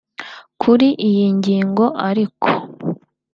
Kuri iyi ngingo ariko